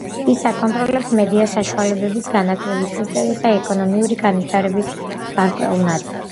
ის აკონტროლებს მედია საშუალებების, განათლების სისტემის და ეკონომიკური განვითარების გარკვეულ ნაწილს.